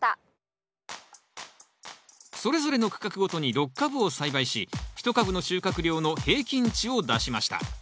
それぞれの区画ごとに６株を栽培し１株の収穫量の平均値を出しました。